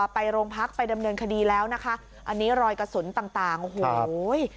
ไปโรงพักไปดำเนินคดีแล้วนะคะอันนี้รอยกระสุนต่างต่างโอ้โห